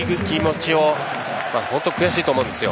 本当に悔しいと思うんですよ。